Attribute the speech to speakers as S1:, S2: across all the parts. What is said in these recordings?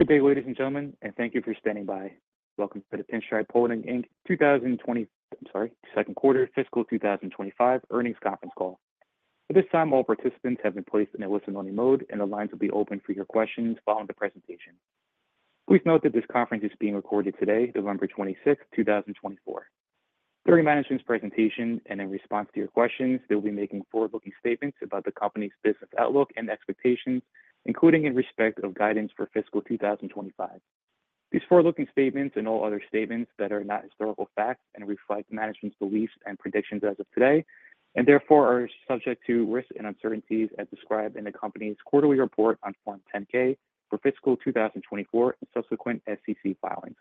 S1: Good day, ladies and gentlemen, and thank you for standing by. Welcome to the Pinstripes Holdings, Inc. second quarter, fiscal 2025 earnings conference call. At this time, all participants have been placed in a listen-only mode, and the lines will be open for your questions following the presentation. Please note that this conference is being recorded today, November 26th, 2024. During management's presentation and in response to your questions, they will be making forward-looking statements about the company's business outlook and expectations, including in respect of guidance for fiscal 2025. These forward-looking statements and all other statements that are not historical facts and reflect management's beliefs and predictions as of today, and therefore are subject to risks and uncertainties as described in the company's quarterly report on Form 10-K for fiscal 2024 and subsequent SEC filings.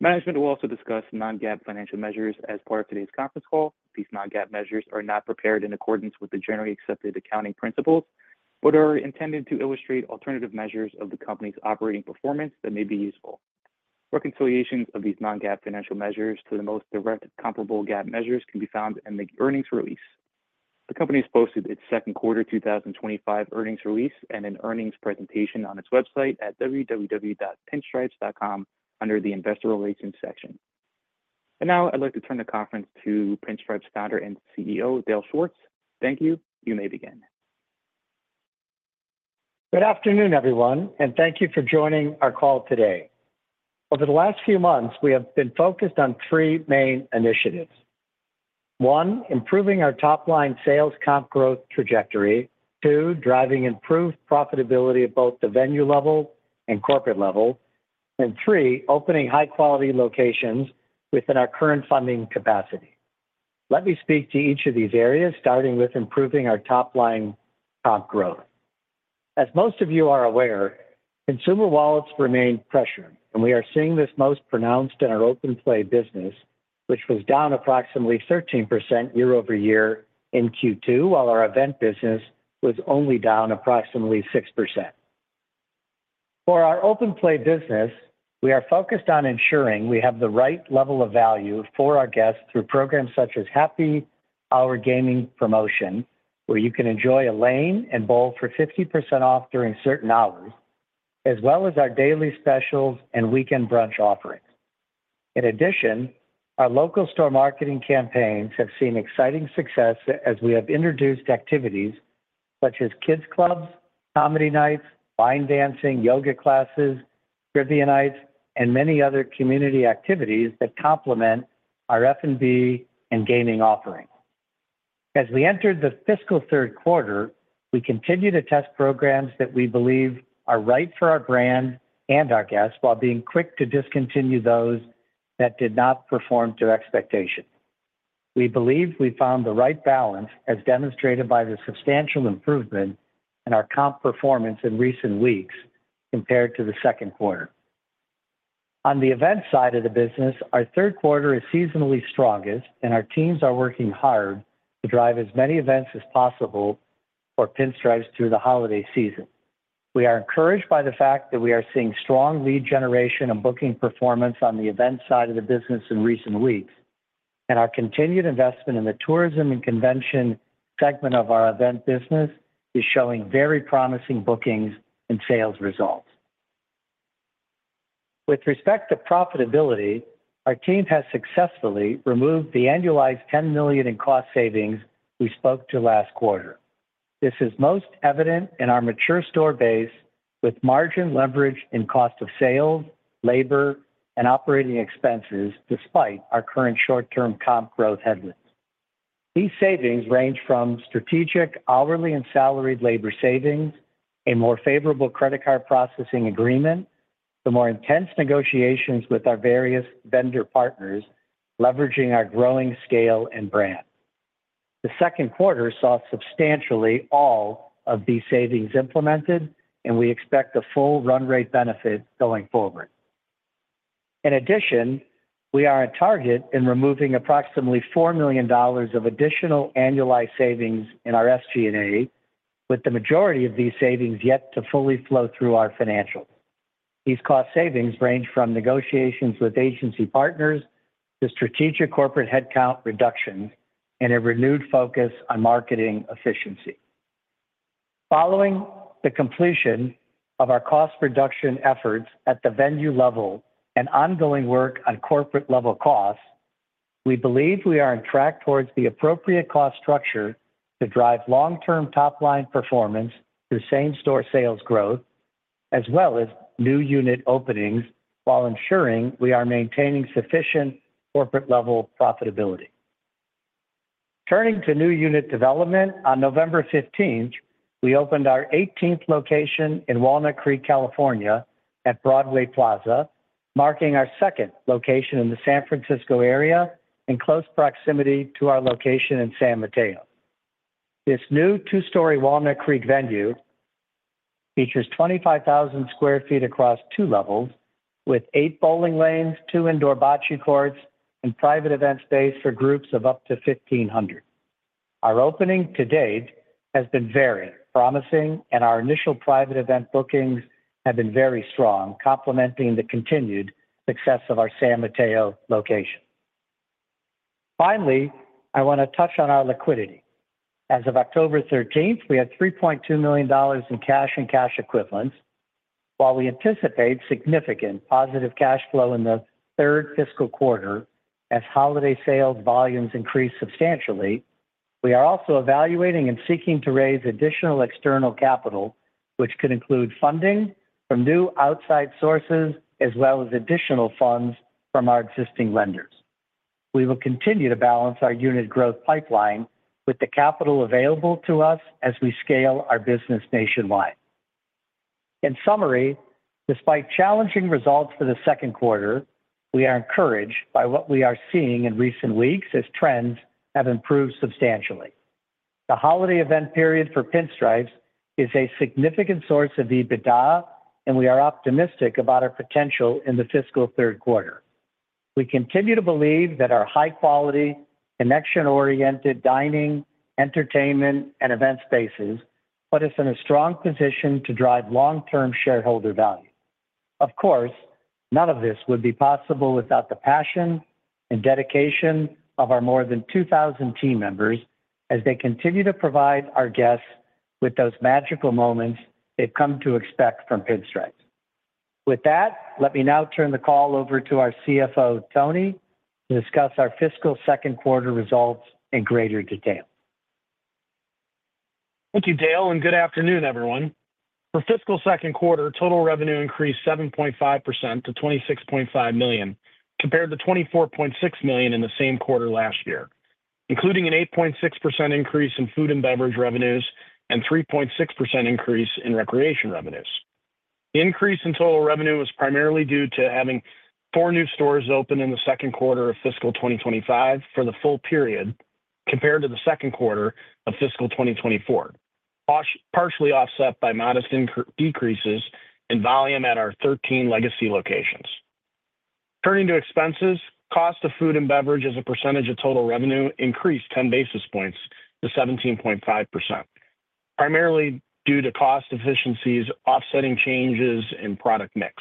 S1: Management will also discuss non-GAAP financial measures as part of today's conference call. These non-GAAP measures are not prepared in accordance with the generally accepted accounting principles but are intended to illustrate alternative measures of the company's operating performance that may be useful. Reconciliations of these non-GAAP financial measures to the most direct comparable GAAP measures can be found in the earnings release. The company has posted its second quarter 2025 earnings release and an earnings presentation on its website at www.pinstripes.com under the Investor Relations section. And now, I'd like to turn the conference to Pinstripes' founder and CEO, Dale Schwartz. Thank you. You may begin.
S2: Good afternoon, everyone, and thank you for joining our call today. Over the last few months, we have been focused on three main initiatives: one, improving our top-line sales comp growth trajectory, two, driving improved profitability at both the venue level and corporate level, and three, opening high-quality locations within our current funding capacity. Let me speak to each of these areas, starting with improving our top-line comp growth. As most of you are aware, consumer wallets remain pressured, and we are seeing this most pronounced in our open play business, which was down approximately 13% year-over-year in Q2, while our event business was only down approximately 6%. For our open play business, we are focused on ensuring we have the right level of value for our guests through programs such as happy hour gaming promotion, where you can enjoy a lane and bowl for 50% off during certain hours, as well as our daily specials and weekend brunch offerings. In addition, our local store marketing campaigns have seen exciting success as we have introduced activities such as kids' clubs, comedy nights, line dancing, yoga classes, trivia nights, and many other community activities that complement our F&B and gaming offering. As we entered the fiscal third quarter, we continue to test programs that we believe are right for our brand and our guests while being quick to discontinue those that did not perform to expectation. We believe we found the right balance, as demonstrated by the substantial improvement in our comp performance in recent weeks compared to the second quarter. On the events side of the business, our third quarter is seasonally strongest, and our teams are working hard to drive as many events as possible for Pinstripes through the holiday season. We are encouraged by the fact that we are seeing strong lead generation and booking performance on the events side of the business in recent weeks, and our continued investment in the tourism and convention segment of our event business is showing very promising bookings and sales results. With respect to profitability, our team has successfully removed the annualized $10 million in cost savings we spoke to last quarter. This is most evident in our mature store base with margin leverage in cost of sales, labor, and operating expenses despite our current short-term comp growth headlines. These savings range from strategic hourly and salaried labor savings, a more favorable credit card processing agreement, to more intense negotiations with our various vendor partners, leveraging our growing scale and brand. The second quarter saw substantially all of these savings implemented, and we expect the full run rate benefit going forward. In addition, we are at target in removing approximately $4 million of additional annualized savings in our SG&A, with the majority of these savings yet to fully flow through our financials. These cost savings range from negotiations with agency partners to strategic corporate headcount reductions and a renewed focus on marketing efficiency. Following the completion of our cost reduction efforts at the venue level and ongoing work on corporate-level costs, we believe we are on track towards the appropriate cost structure to drive long-term top-line performance through same-store sales growth, as well as new unit openings, while ensuring we are maintaining sufficient corporate-level profitability. Turning to new unit development, on November 15th, we opened our 18th location in Walnut Creek, California, at Broadway Plaza, marking our second location in the San Francisco area in close proximity to our location in San Mateo. This new two-story Walnut Creek venue features 25,000 square feet across two levels, with eight bowling lanes, two indoor bocce courts, and private event space for groups of up to 1,500. Our opening to date has been very promising, and our initial private event bookings have been very strong, complementing the continued success of our San Mateo location. Finally, I want to touch on our liquidity. As of October 13th, we had $3.2 million in cash and cash equivalents. While we anticipate significant positive cash flow in the third fiscal quarter as holiday sales volumes increase substantially, we are also evaluating and seeking to raise additional external capital, which could include funding from new outside sources as well as additional funds from our existing lenders. We will continue to balance our unit growth pipeline with the capital available to us as we scale our business nationwide. In summary, despite challenging results for the second quarter, we are encouraged by what we are seeing in recent weeks as trends have improved substantially. The holiday event period for Pinstripes is a significant source of EBITDA, and we are optimistic about our potential in the fiscal third quarter. We continue to believe that our high-quality, connection-oriented dining, entertainment, and event spaces put us in a strong position to drive long-term shareholder value. Of course, none of this would be possible without the passion and dedication of our more than 2,000 team members as they continue to provide our guests with those magical moments they've come to expect from Pinstripes. With that, let me now turn the call over to our CFO, Tony, to discuss our fiscal second quarter results in greater detail.
S3: Thank you, Dale, and good afternoon, everyone. For fiscal second quarter, total revenue increased 7.5% to $26.5 million, compared to $24.6 million in the same quarter last year, including an 8.6% increase in food and beverage revenues and 3.6% increase in recreation revenues. The increase in total revenue was primarily due to having four new stores open in the second quarter of fiscal 2025 for the full period compared to the second quarter of fiscal 2024, partially offset by modest decreases in volume at our 13 legacy locations. Turning to expenses, cost of food and beverage as a percentage of total revenue increased 10 basis points to 17.5%, primarily due to cost efficiencies offsetting changes in product mix.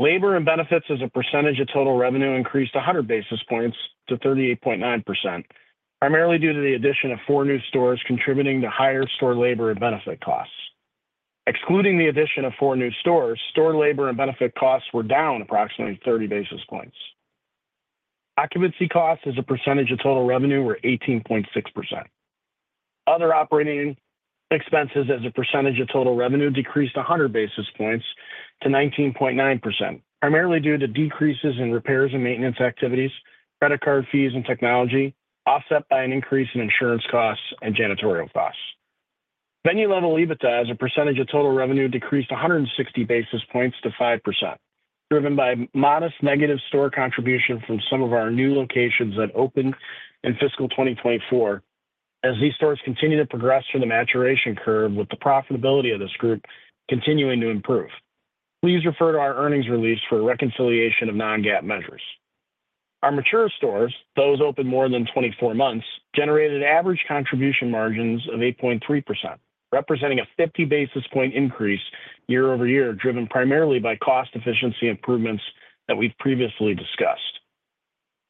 S3: Labor and benefits as a percentage of total revenue increased 100 basis points to 38.9%, primarily due to the addition of four new stores contributing to higher store labor and benefit costs. Excluding the addition of four new stores, store labor and benefit costs were down approximately 30 basis points. Occupancy costs as a percentage of total revenue were 18.6%. Other operating expenses as a percentage of total revenue decreased 100 basis points to 19.9%, primarily due to decreases in repairs and maintenance activities, credit card fees, and technology, offset by an increase in insurance costs and janitorial costs. Venue-level EBITDA as a percentage of total revenue decreased 160 basis points to 5%, driven by modest negative store contribution from some of our new locations that opened in fiscal 2024, as these stores continue to progress through the maturation curve, with the profitability of this group continuing to improve. Please refer to our earnings release for reconciliation of non-GAAP measures. Our mature stores, those open more than 24 months, generated average contribution margins of 8.3%, representing a 50 basis points increase year-over-year, driven primarily by cost efficiency improvements that we've previously discussed.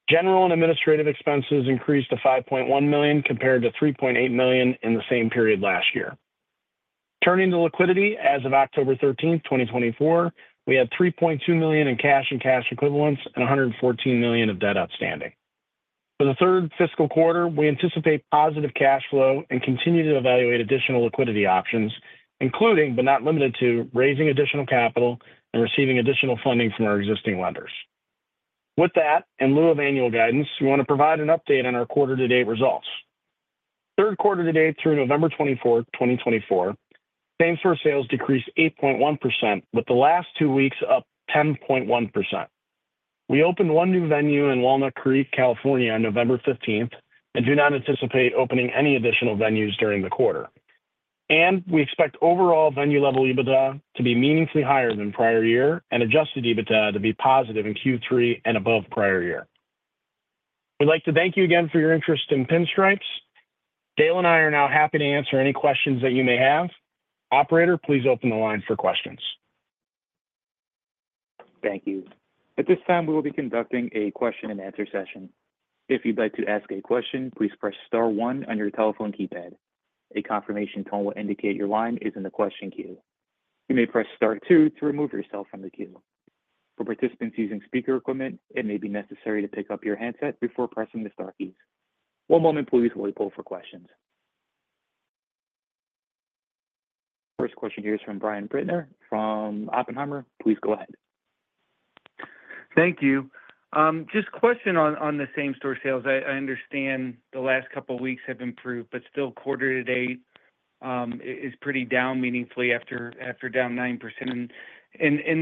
S3: General and administrative expenses increased to $5.1 million compared to $3.8 million in the same period last year. Turning to liquidity, as of October 13th, 2024, we had $3.2 million in cash and cash equivalents and $114 million of debt outstanding. For the third fiscal quarter, we anticipate positive cash flow and continue to evaluate additional liquidity options, including, but not limited to, raising additional capital and receiving additional funding from our existing lenders. With that, in lieu of annual guidance, we want to provide an update on our quarter-to-date results. Third quarter-to-date through November 24th, 2024, same-store sales decreased 8.1%, with the last two weeks up 10.1%. We opened one new venue in Walnut Creek, California, on November 15th and do not anticipate opening any additional venues during the quarter, and we expect overall venue-level EBITDA to be meaningfully higher than prior year and adjusted EBITDA to be positive in Q3 and above prior year. We'd like to thank you again for your interest in Pinstripes. Dale and I are now happy to answer any questions that you may have. Operator, please open the line for questions.
S1: Thank you. At this time, we will be conducting a question-and-answer session. If you'd like to ask a question, please press Star 1 on your telephone keypad. A confirmation tone will indicate your line is in the question queue. You may press Star 2 to remove yourself from the queue. For participants using speaker equipment, it may be necessary to pick up your handset before pressing the Star keys. One moment, please, while we pull for questions. First question here is from Brian Bittner from Oppenheimer. Please go ahead.
S4: Thank you. Just a question on the same-store sales. I understand the last couple of weeks have improved, but still quarter-to-date is pretty down meaningfully after down 9% in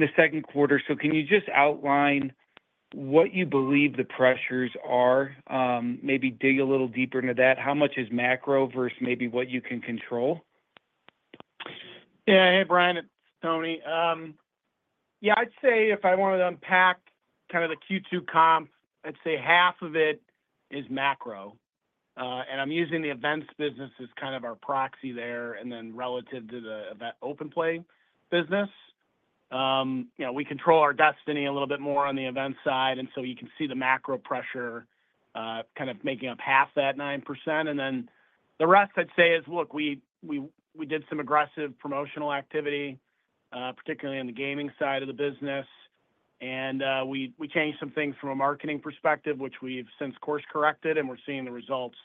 S4: the second quarter. So can you just outline what you believe the pressures are? Maybe dig a little deeper into that. How much is macro versus maybe what you can control?
S3: Yeah, hey, Brian, it's Tony. Yeah, I'd say if I wanted to unpack kind of the Q2 comp, I'd say half of it is macro, and I'm using the events business as kind of our proxy there, and then relative to the open-play business, we control our destiny a little bit more on the events side, so you can see the macro pressure kind of making up half that 9%. Then the rest, I'd say, is, look, we did some aggressive promotional activity, particularly on the gaming side of the business, and we changed some things from a marketing perspective, which we've since course-corrected, and we're seeing the results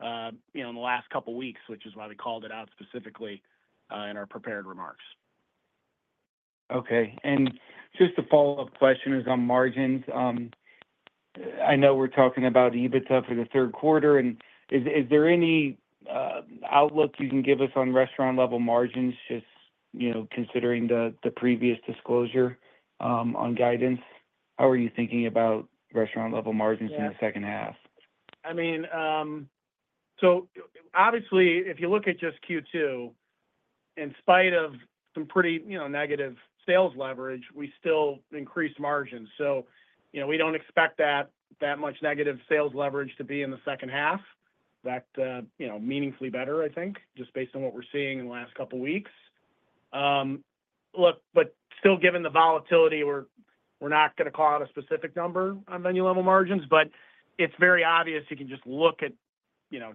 S3: in the last couple of weeks, which is why we called it out specifically in our prepared remarks.
S4: Okay. And just a follow-up question is on margins. I know we're talking about EBITDA for the third quarter. And is there any outlook you can give us on restaurant-level margins, just considering the previous disclosure on guidance? How are you thinking about restaurant-level margins in the second half?
S3: I mean, so obviously, if you look at just Q2, in spite of some pretty negative sales leverage, we still increased margins. So we don't expect that much negative sales leverage to be in the second half. In fact, meaningfully better, I think, just based on what we're seeing in the last couple of weeks. Look, but still, given the volatility, we're not going to call out a specific number on venue-level margins, but it's very obvious you can just look at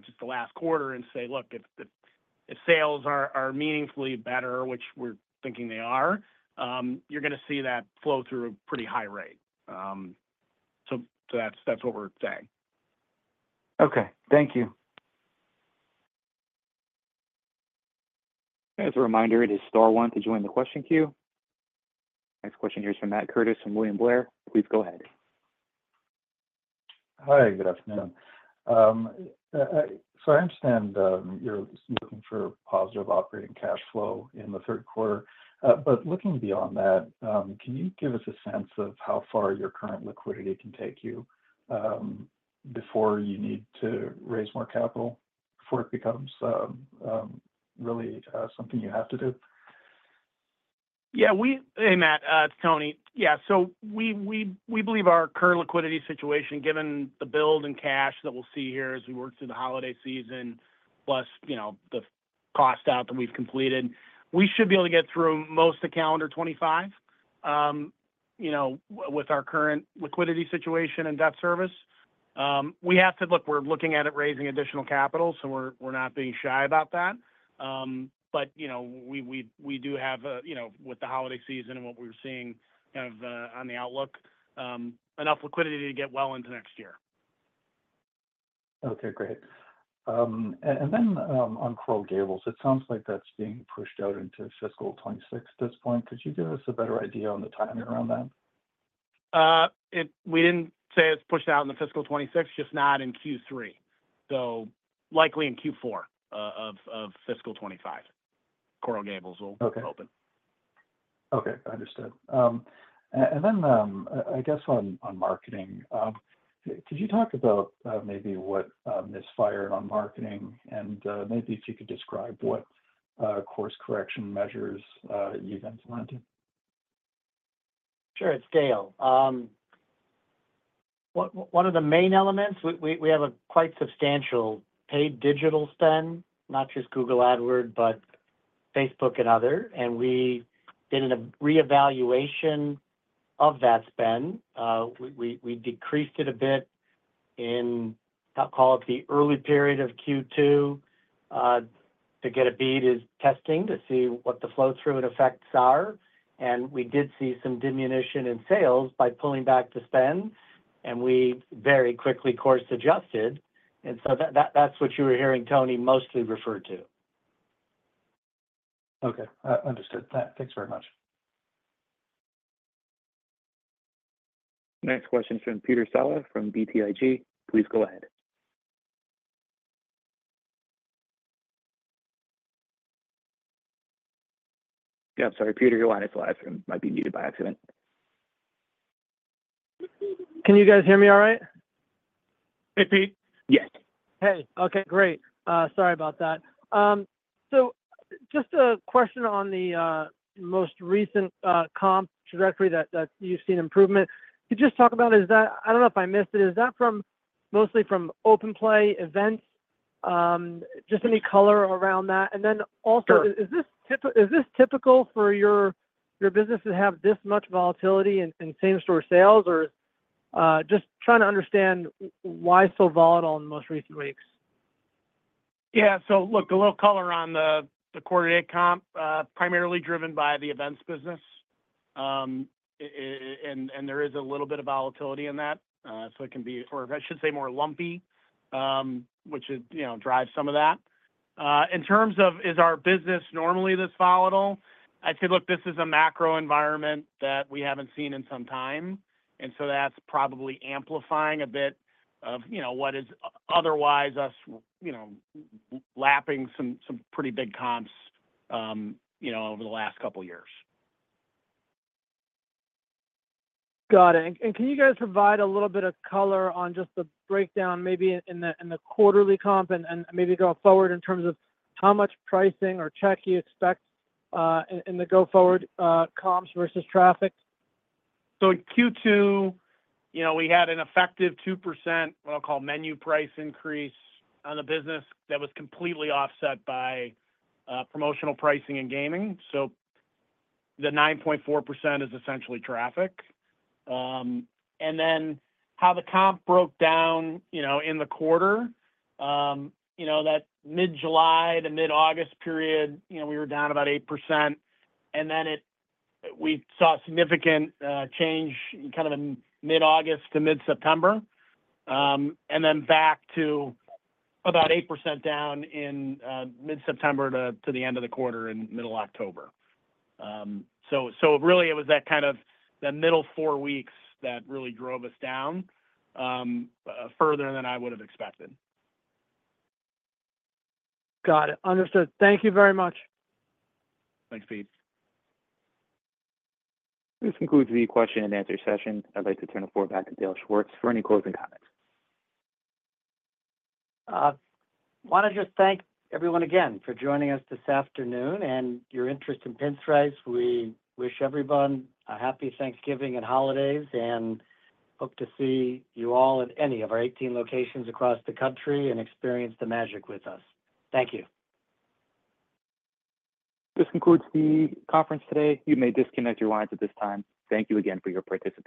S3: just the last quarter and say, "Look, if sales are meaningfully better, which we're thinking they are, you're going to see that flow through a pretty high rate." So that's what we're saying.
S1: Okay. Thank you. As a reminder, it is Star 1 to join the question queue. Next question here is from Matt Curtis from William Blair. Please go ahead.
S5: Hi, good afternoon. So I understand you're looking for positive operating cash flow in the third quarter. But looking beyond that, can you give us a sense of how far your current liquidity can take you before you need to raise more capital before it becomes really something you have to do?
S3: Yeah. Hey, Matt. It's Tony. Yeah. So we believe our current liquidity situation, given the build in cash that we'll see here as we work through the holiday season, plus the cost out that we've completed, we should be able to get through most of calendar 2025 with our current liquidity situation and debt service. We have to look. We're looking at raising additional capital, so we're not being shy about that. But we do have, with the holiday season and what we're seeing kind of on the outlook, enough liquidity to get well into next year.
S5: Okay. Great. And then on Coral Gables, it sounds like that's being pushed out into fiscal 2026 at this point. Could you give us a better idea on the timing around that?
S3: We didn't say it's pushed out in the fiscal 2026, just not in Q3. So likely in Q4 of fiscal 2025, Coral Gables will open.
S5: Okay. Understood. And then I guess on marketing, could you talk about maybe what misfired on marketing and maybe if you could describe what course-correction measures you've implemented?
S2: Sure. It's Dale. One of the main elements, we have a quite substantial paid digital spend, not just Google AdWords, but Facebook and other, and we did a reevaluation of that spend. We decreased it a bit in, I'll call it the early period of Q2, to get a read in testing to see what the flow-through effects are, and we did see some diminution in sales by pulling back the spend, and we very quickly course-adjusted, and so that's what you were hearing Tony mostly refer to.
S5: Okay. Understood. Thanks very much.
S1: Next question is from Peter Saleh from BTIG. Please go ahead. Yeah. I'm sorry. Peter, you're on the line. It might be muted by accident.
S6: Can you guys hear me all right?
S4: Hey, Peter.
S6: Yes. Hey. Okay. Great. Sorry about that. So just a question on the most recent comp trajectory that you've seen improvement. Could you just talk about, I don't know if I missed it, is that mostly from open-play events? Just any color around that? And then also, is this typical for your business to have this much volatility in same-store sales? Or just trying to understand why so volatile in the most recent weeks?
S3: Yeah. So look, the little color on the quarter-to-date comp, primarily driven by the events business. And there is a little bit of volatility in that. So it can be, or I should say, more lumpy, which drives some of that. In terms of, is our business normally this volatile? I'd say, look, this is a macro environment that we haven't seen in some time. And so that's probably amplifying a bit of what is otherwise us lapping some pretty big comps over the last couple of years. Got it. And can you guys provide a little bit of color on just the breakdown, maybe in the quarterly comp, and maybe go forward in terms of how much pricing or check you expect in the go-forward comps versus traffic? So in Q2, we had an effective 2%, what I'll call menu price increase on the business that was completely offset by promotional pricing and gaming. So the 9.4% is essentially traffic. And then how the comp broke down in the quarter, that mid-July to mid-August period, we were down about 8%. And then we saw a significant change kind of in mid-August to mid-September, and then back to about 8% down in mid-September to the end of the quarter in middle October. So really, it was that kind of the middle four weeks that really drove us down further than I would have expected.
S6: Got it. Understood. Thank you very much.
S2: Thanks, Peter.
S1: This concludes the question-and-answer session. I'd like to turn the floor back to Dale Schwartz for any closing comments.
S2: I want to just thank everyone again for joining us this afternoon and your interest in Pinstripes. We wish everyone a happy Thanksgiving and holidays and hope to see you all at any of our 18 locations across the country and experience the magic with us. Thank you.
S1: This concludes the conference today. You may disconnect your lines at this time. Thank you again for your participation.